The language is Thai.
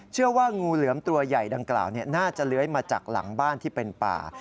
เชื่อว่างูเหลือมตัวใหญ่ดังกล่าวน่าจะเลื้อยมาจากหลังบ้านที่เป็นป่า